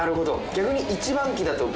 逆に。